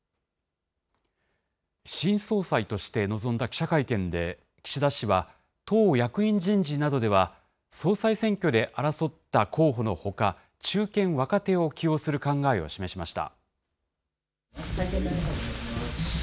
新総裁として臨んだ記者会見で、岸田氏は、党役員人事などでは、総裁選挙で争った候補のほか、中堅・若手を起用する考えを示しました。